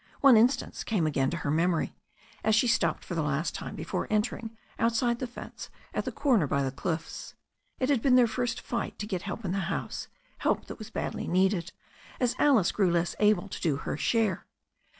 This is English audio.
One instance came again to her memory, as she stopped for the last time before entering, outside the fence, at the corner by the cliffs. It had been their first fight to get help in the house, help that was badly needed, as Alice grew less able to do her share.